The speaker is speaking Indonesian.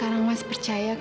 aku mau berjalan